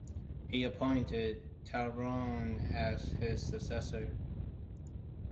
He appointed Ta'Lon as his successor.